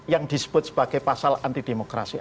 yang disebut sebagai pasal anti demokrasi